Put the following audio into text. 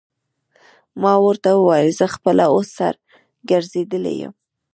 ما ورته وویل: زه خپله اوس سر ګرځېدلی یم.